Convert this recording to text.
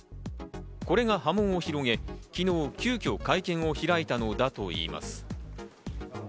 これが波紋を広げ、昨日急きょ会見を開いたのだといいます。